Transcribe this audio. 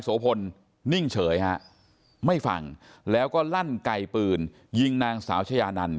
โสพลนิ่งเฉยฮะไม่ฟังแล้วก็ลั่นไกลปืนยิงนางสาวชายานัน